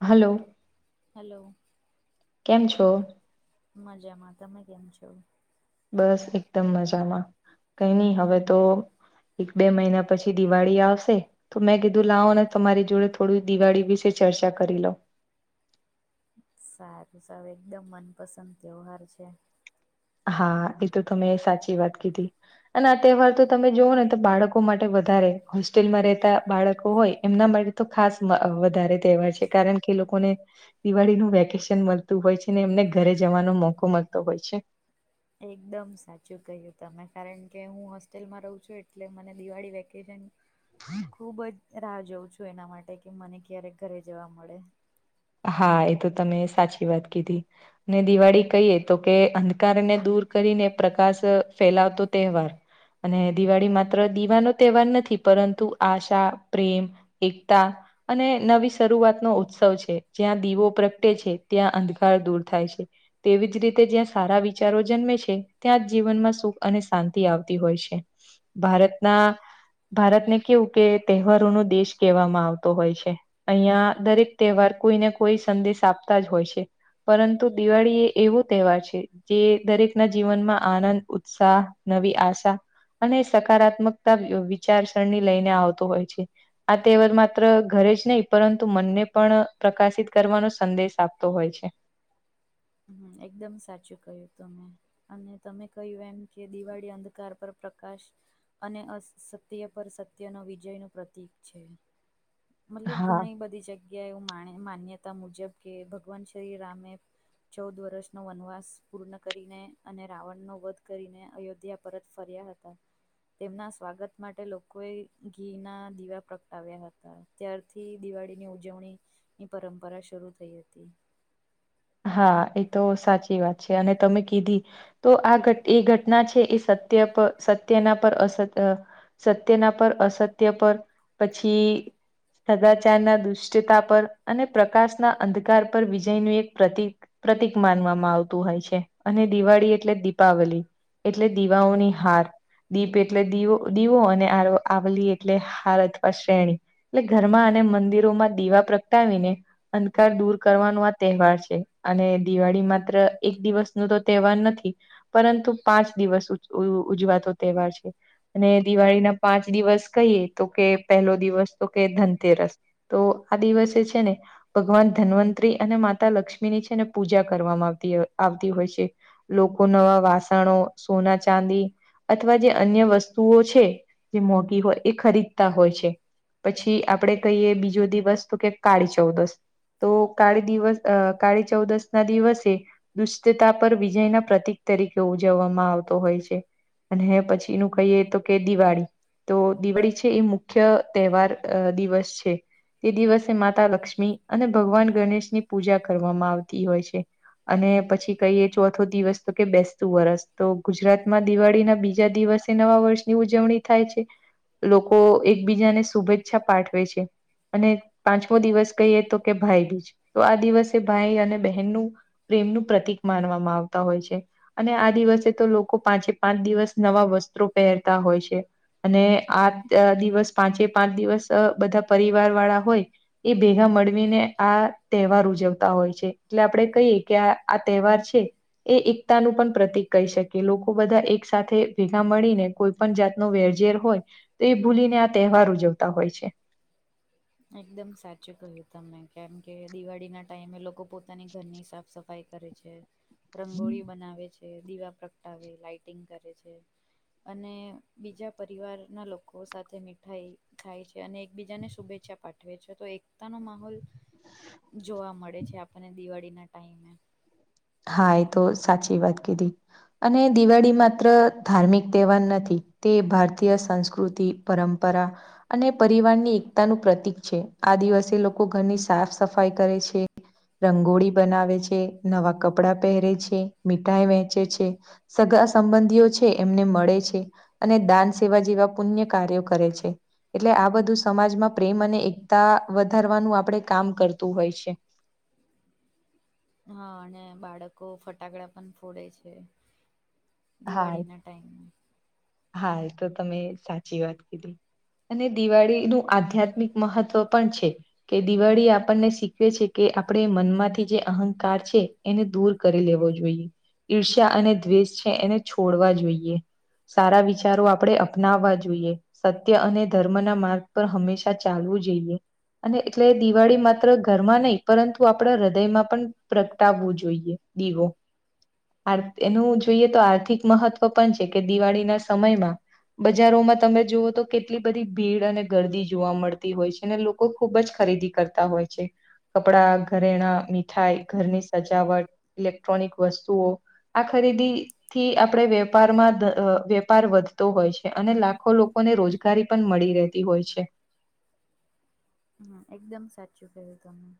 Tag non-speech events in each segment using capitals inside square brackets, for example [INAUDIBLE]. Hello. Hello. કેમ છો. મજામાં તમે કેમ છો. બસ એકદમ મજામાં કઈ ની હવે તો એક બે મહિના પછી દિવાળી આવશે. તો મેં કીધું લાવ અને તમારી જોડે થોડી દિવાળી વિશે ચર્ચા કરી લઉ. સારું સાવ એકદમ મનપસંદ તહેવાર છે. હા એ તો તમે સાચી વાત કીધી. અને આ તહેવાર તો તમે જોઓ ને તો બાળકો માટે વધારે હોસ્ટેલમાં રહેતા બાળકો હોય એમના માટે તો ખાસ વધારે તહેવાર છે કારણ કે લોકોને દિવાળી નું વેકેશન મળતું હોય છે ને એમને ઘરે જવાનો મોકો મળતો હોય છે. એકદમ સાચું કહ્યું તમે કારણ કે હું હોસ્ટેલમાં રહું છું એટલે મને દિવાળી વેકેશન [INAUDIBLE] ખુબ જ રાહ જોઉં છું એના માટે કે મને ક્યારેક ઘરે જવા મળે. હા... એ તો તમે સાચી વાત કીધી. ને દિવાળી કહીએ તો કે અંધકારને દૂર કરીને પ્રકાશ ફેલાવતો તહેવાર અને દિવાળી માત્ર દીવાનો તહેવાર નથી પરંતુ આશા, પ્રેમ એકતા અને નવી શરૂઆત નો ઉત્સવ છે. જ્યાં દીવો પ્રગટે છે ત્યાં અંધકાર દૂર થાય છે. તેવી જ રીતે જ્યાં સારા વિચારો જન્મે છે ત્યાં જ જીવનમાં સુખ અને શાંતિ આવતી હોય છે. ભારતના ભારતને કેવું કે તહેવારોનો દેશ કહેવામાં આવતો હોય છે. અહિયાં દરેક તહેવાર કોઈને કોઈ સંદેશ આપતા જ હોય છે. પરંતુ દિવાળી એ એવો તહેવાર છે જે દરેક ના જીવનમાં આનંદ, ઉત્સાહ નવી આશા અને સકારાત્મકતા વિચારસરણી લઈને આવતો હોય છે. આ તહેવાર માત્ર ઘરે જ નહી પરંતુ મનને પણ પ્રકાશિત કરવાનો સંદેશ આપતો હોય છે. હમ.. એકદમ સાચું કહ્યું તમેં. અને તમે કહ્યું એમ કે દિવાળી અંધકાર પર પ્રકાશ અને અસત્ય પર સત્યનો વિજયનું પ્રતીક છે. મતલબ હા ઘણી બધી જગ્યા એવું માન્યતા મુજબ કે ભગવાન શ્રીરામે ચૌદ વર્ષનો વનવાસ પૂર્ણ કરીને અને રાવણનો વધ કરીને અયોધ્યા પરત ફર્યા હતા તેમના સ્વાગત માટે લોકોએ ઘી ના દીવા પ્રગટાવ્યા હતા. ત્યારથી દિવાળીની ઉજવણીની પરંપરા શરૂ થઈ હતી. હા... એ તો સાચી વાત છે. અને તમે કીધી તો આ એ ઘટના છે એ સત્ય પર સત્યના પર અસત્ય સત્યના પર અસત્ય પર... પછી સદાચાર ના દુષ્ટતા પર અને પ્રકાશના અંધકાર પર વિજયનું એક પ્રતિક... પ્રતિક માનવામાં આવતું હોય છે અને દિવાળી એટલે દિપાવલી એટલે દીવાઓની હાર દીપ એટલે દીવો દીવો અને આવલી એટલે હાર અથવા શ્રેણી એટલે ઘરમાં અને મંદિરોમાં દીવા પ્રગટાવીને અંધકાર દૂર કરવાનો આ તહેવાર છે. અને દિવાળી માત્ર એક દિવસ નું તો તહેવાર નથી. પરંતુ પાંચ દિવસ ઉજવાતો તહેવાર છે. અને દિવાળી ના પાંચ દિવસ કહીએ તો કે પહેલો દિવસ તો કે ધનતેરસ તો આ દિવસે છે ને ભગવાન ધન્વંતરી અને માતા લક્ષ્મી લક્ષ્મીની છે ને પૂજા કરવામાં આવતી આવતી હોય છે લોકો નવા વાસણો, સોના-ચાંદી અથવા જે અન્ય વસ્તુઓ છે જે મોઘી હોય એ ખરીદતા હોય છે. પછી આપડે કહીએ બીજો દિવસ તો કે કાળી ચૌદસ. તો કાળી દિવસ અ... કાળી ચૌદશ ના દિવસે દુષ્ટતા પર વિજયના પ્રતિક તરીકે ઉજવવામાં આવતો હોય છે. અને પછીનું કહીએ તો કે દિવાળી તો... દિવાળી છે એ મુખ્ય મુખ્ય તહેવાર દિવસ છે તે દિવસે માતા લક્ષ્મી અને ભગવાન ગણેશની પૂજા કરવામાં આવતી હોય છે. અને પછી કહીએ ચોથો દિવસ તો કે બેસતું વરસ તો ગુજરાતમાં દિવાળી ના બીજા દિવસ નવા વર્ષની ઉજવણી થાય છે લોકો એકબીજાને શુભેચ્છા પાઠવે છે. અને પાંચમો દિવસ કહીએ તો કે ભાઈ બીજ. તો આ દિવસે ભાઈ અને બહેનનું પ્રેમ નું પ્રતિક માનવામાં આવતા હોય છે. અને આ દિવસે તો લોકો પાંચે પાંચ દિવસ નવા વસ્ત્રો પહેરતા હોય છે. અને આ દિવસ પાંચે પાંચ દિવસ બધા પરિવાર વાળા હોય એ ભેગા મળવી ને આ તહેવાર ઉજવતા હોય છે, એટલે આપડે કહીએ કે આ- આ તહેવાર છે. એ એકતાનું પણ પ્રતીક કહી શકીયે. લોકો બધા એક સાથે ભેગા મળીને કોઈ પણ જાત નો વેરઝેર હોય તો એ ભૂલીને આ તહેવાર ઉજવતા હોય છે. એકદમ સાચું કહ્યું તમે કેમ કે દિવાળી ના ટાઈમે લોકો પોતાની ઘરની સાફ સફા સફાઈ કરે છે, રંગોળી બનાવે છે, દીવા પ્રગટાવે, લાઇટિંગ કરે છે. અને બીજા પરિવારના લોકો સાથે મીઠાઈ ખાય છે અને એકબીજાને શુભે ચ્છા પાઠવે છે તો એકતા નો માહોલ જોવા મળે આપને દિવાળી ના ટાઈમે. હા, એ તો સાચી વાત કીધી. અને દિવાળી માત્ર ધાર્મિક તહેવાર નથી તે ભારતીય સંસ્કૃતિ પરંપરા અને પરિવારની એકતાનું પ્રતિક છે. આ દિવસ જે લોકો ઘરની સાફ સફાઈ કરે છે, રંગોળી બનાવે છે, નવા કપડાં પહેરે છે, મીઠાઈ વેંચે છે. સગા સંબંધીઓ છે એમને મળે છે. અને દાન સેવા જેવા પુણ્ય કાર્યો કરે છે. એટલે આ બધું સમાજમાં પ્રેમ અને એકતા વધારવાનું આપણે કામ કરતું હોય છે. હા અને બાળકો ફટાકડા પણ ફોડે છે. હા દિવાળી ના ટાઈમમાં. હા, એ તો તમે સાચી વાત કીધી. અને દિવાળી નું આધ્યાત્મિક મહત્વ પણ છે. કે દિવાળી આપણને શીખવે છે કે આપણે મનમાંથી જે અહંકાર છે. એને દૂર કરી લેવો જોઈએ. ઈર્ષ્યા અને દ્વેષ છે એને છોડવા જોઈએ. સારા વિચારો આપણે અપનાવવા જોઈએ. સત્ય અને ધર્મ ના માર્ગ પર હંમેશા ચાલવું જોઈએ. અને એટલે દિવાળી માત્ર ઘરમાં નહી પરંતુ આપડા હૃદયમાં પણ પ્રગટાવવું જોઈએ. દીવો આર એનું જ જોઈએ તો આર્થિક મહત્વ પણ છે કે દિવાળીના સમયમાં બજારોમાં તમે જુઓ તો કેટલી બધી ભીડ અને ગરદી જોવા મળતી છે નેલો કો ખુબ જ ખરીદી કરતા હોય છે. કપડા, ઘરેણા, મીઠાઈ, ઘરની સજાવટ, ઇલેક્ટ્રોનિક વસ્તુઓ આ ખરીદી થી આપણે વેપારમાં વેપાર વધતો હોય છે. અને લાખો લોકોને રોજ ગારી પણ મળી રહેતી હોય છે. હા, એકદમ સાચું ક્યું તમે.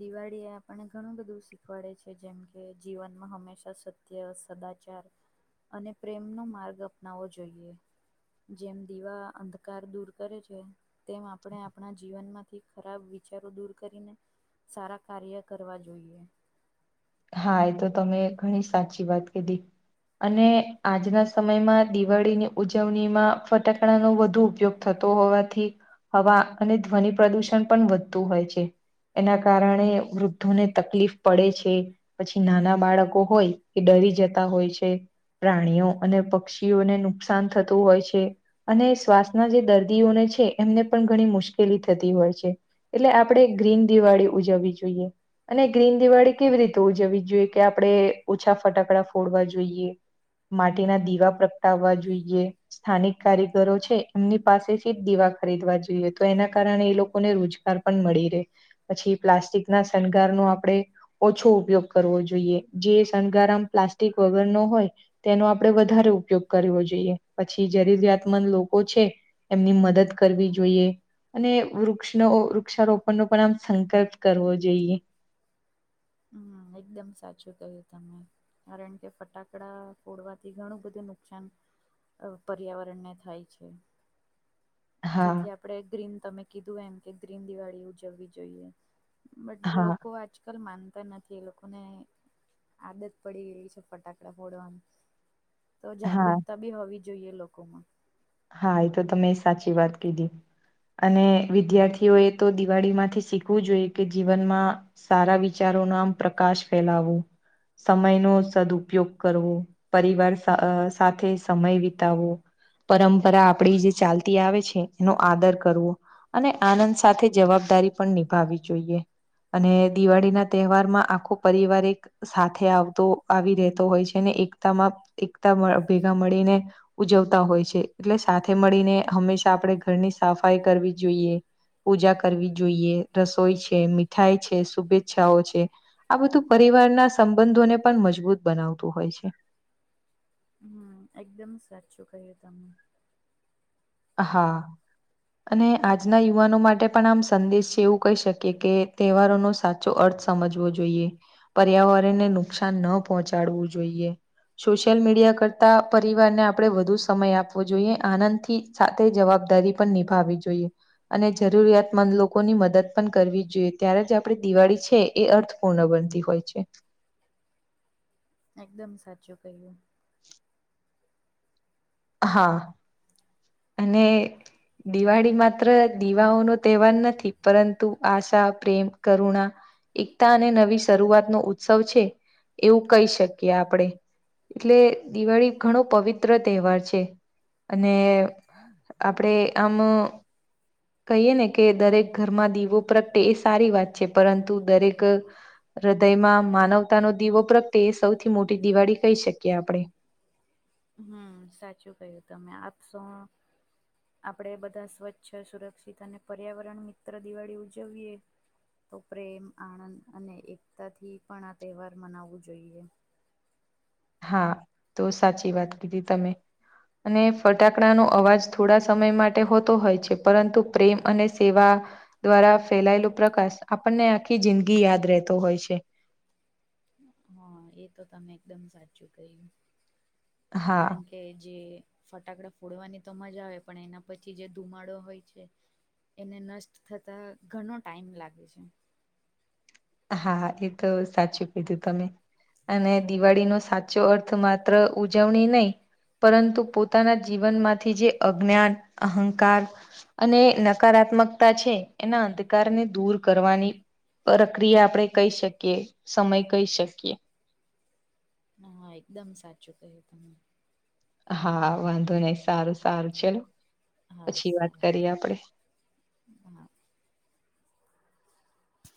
દિવાળી એ આપણને ઘણું બધું શીખવાડે છે જેમકે જીવનમાં હંમેશા સત જે અ સદાચાર અને પ્રેમનોો માર્ગ અપનાવવો જોઈએ. જેમ દીવા અંધકાર દૂર કરે છે તેમ આપણે આપણા જીવનમાં થી ખરાબ વિચારો દૂર કરીને સારા કાર્ય કરવા જોઈએ. હા, એ તો તમે ઘણી સાચી વાત કધી. અને આજના સમયમાં દિવાળીની ઉજવણીમાં ફટાકડાનોો વધુ ઉપયોગ થતો હોવાથી હવા અને ધ્વનિ પ્રદુષણ પણ વધતું હોય છે. એના કારણે વૃદ્ધોને તકલીફ પડે છે. પછી નાના બાળકો હોય એ ડરી જતા હોય છે. પ્રાણીઓ અને પક્ષીઓને નુકસાન થતું હોય છે. અને શ્વાસના જે દર્દીઓને છે એમને પણ ઘણી મુશ્કેલી થતી હોય છે. એટલે આપણેે ગ્રીન દિવાળી ઉજવવી જોઈએ અને ગ્રીન દિવાળી કેવી તો જવી જ જોઈએ કે આપણે ઓછા ફટાકડા ફોડવા જોઈએ. માટીના દીવા પ્રગટાવવા જોઈએ. સ્થાનિક કારીગરો છે એમની પાસેથી જ દીવા ખરીદવા જોઈએ તો એના કારણે એ લોકોને રોજ પણ મળી રહે પ્લાસ્ટિક ના શણગાર નું આપણે ઓછું ઉપયોગ કરવો જોઈએ જે શણગારામ પ્લાસ્ટિક વગર નો હોય તેનો આપણેે વધારે ઉપયોગ કરવો જોઈએ, પછી જરૂરિયાતમંદ લોકો છે એમની મદદ કરવી જોઈએ. અને વૃક્ષનો વૃક્ષારોપણનો પણ આમ સંકલ્પ કરવો જોઈએ. હમ્મ, એકદમ સાચું કહ્યું તમે. કારણ કે ફટાકડા ફોડવાથી ઘણું બધું નુકસાન એવું પર્યાવરણ ને થાય છે. હા જેથી આપણે એક ગ્રીન તમે કીધું એમ કે ગ્રીન દિવાળી ઉજવવી જોઈએ. બટ હા લોકો આજકલ માન નથી એ લોકોને આદત પડી ગેલી છે ફટાકડા ફોડવામાં. તો હા જાગૃકતા બી હોવી જોઈએ લોકોમાં. હા, એ તો તમે સાચી વાત કીધી. અને વિદ્યાર્થીઓ એ તો દિવાળી માંથી શીખવું જોઈએ કે જીવનમાં સારા વિચારો ન આમ પ્રકાશ ફેલાવો. સમય નો સદઉપયોગ કરવો, પરિવાર અ સાથે સમય વિતાવવો. પરંપરા આપડી જે ચાલતી આવે છે એનો આદર કરવો. અને આનંદ સાથે જવાબદારી પણ નિભાવી જોઈએ. અને દિવાળી ના તહેવાર માં આખો પરિવાર એક સાથે આવતો આવી રહેતો હોય છે ને એકતામાં એકતા ભેગા મળીને ઉજવતા હોય છે. એટલે સાથે મળીને હંમેશા આપણે ઘરની સફાઈ કરવી જોઈએ. પૂજા કરવી જોઈએ, રસોઈ છે, મીઠાઈ છે, શુભેચ્છાઓ છે આ બધું પરિવારના સંબંધોને પણ મજબૂત બનાવતું હોય છે. હમ્મ, એકદમ સાચું કહ્યું તમે. હા. અને આજના યુવાનો માટે પણ આમ સંદેશ છે એવું કહી શકીએ કે તહેવારોનો સાચ ચો અર્થ સમજવો જોઈએ, પર્યાવરણને નુકસાન ન પહોંચાડવું જોઈએ. સોશિયલ મીડિયા કરતા પરિવારને આપણે વધુ સમય આપવો જોઈએ આનંદથી સાથે જવાબદારી પણ નિભાવી જોઈએ. અને જરૂરિયાતમંદ લોકોની મદદ પણ કરવી જોઈએ ત્યારે જે આપે દિવાળી છે એ અર્થ પૂર્ણ બનતી હોય છે. એકદમ સાચું કહીયુ. હા. અને દિવાળી માત્ર દીવાઓ નો તહેવાર નથી, પરંતુ આશા, પ્રેમ, કરુણા એકતા અને નવી શરૂઆત નો ઉત્સવ છે. એવું કહી શકીએ આપણે. એટલે દિવાળી ઘણો પવિત્ર તહેવાર છે અને, આપડે આમ, કહીએ ને કે દરેક ઘરમાં દીવો પ્રગટે એ સારી વાત છે પરંતુ દરેક, હૃદયમાં માનવતા નો દીવો પ્રગ્ય એ સૌથી મોટી દિવાળી કહી શકીએ આપણેે. હમ સાચું કય્યું તમે આપ શો, આપડે બધા સ્વચ્છ સુરક્ષિત અને પર્યાવરણ મિત્ર દિવાળી ઉજવી યે, તો પ્રેમ, આનંદ અને એકતાથી પણ આ તહેવાર મનાવવું જોઈએ. હા તો સાચી વાત કીધી તમે. અને ફટાકડાનો અવાજ થોડા સમય માટે હોતો હોય છે પરંતુ પ્રેમ અને સેવા, દ્વારા ફેલાયેલો પ્રકાશ આપણને આખી જિંદગી યાદ રહેતો હોય છે. હા એ તો તમે એકદમ સાચું કહ્યું કારણ હા કે કે જે ફટાકડા ફોડવાની તો મજા આવે પણ એના પછી જે ધુમાડો હોય છે, એને નષ્ટ થતાં ઘણો ટાઈમ લાગે છે. હા એ તો સાચું કીધું તમે અને દિવાળી ન સાચ સાચો અર્થ માત્ર ઉજવણી નહી, પરંતુ પોતાના જીવનમાંથી જે અજ્ઞાન, અહંકાર, અને નકારાત્મકતા છે એના અંધકારને દૂર કરવાની પર ક્રિયા આપણે કહી શકીએ, સમય કહી શકીએ. હા હા એકદમ સાચું કહ્યું તમે, હા વાંધો નહી સારું સારું ચલો હા પછી વાત સારું કરીએ આપડે. હા